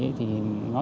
nó chỉ là một phần nhỏ